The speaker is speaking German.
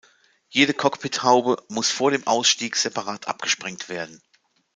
Jede Cockpithaube muss vor dem Ausstieg separat abgesprengt werden.